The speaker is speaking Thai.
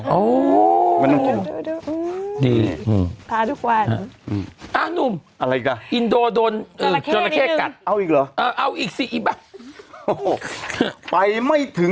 อืมภารกาลอ่ะจู๊กบาดนุ่มอะไรอีกละอืม